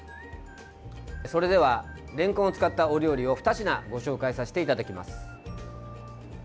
それではれんこんを使ったお料理を２品ご紹介させていただきます。